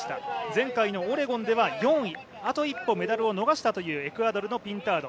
前回のオレゴンでは４位あと一歩メダルを逃したというエクアドルのピンタード。